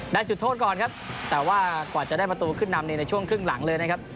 จุดโทษก่อนครับแต่ว่ากว่าจะได้ประตูขึ้นนำในช่วงครึ่งหลังเลยนะครับ